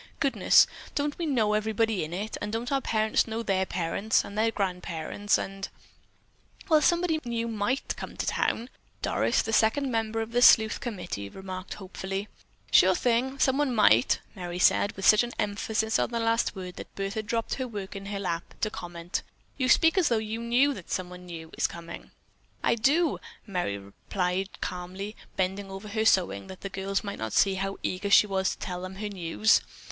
Goodness, don't we know everybody in it, and don't our parents know their parents and their grandparents and——" "Well, somebody new might come to town," Doris, the second member of the sleuth committee, remarked hopefully. "Sure thing, someone might," Merry said with such emphasis on the last word that Bertha dropped her work on her lap to comment: "You speak as though you knew that someone new is coming." "I do!" Merry replied calmly, bending over her sewing that the girls might not see how eager she was to tell them her news.